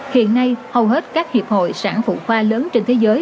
hiện nay hầu hết các hiệp hội sản phụ khoa lớn trên thế giới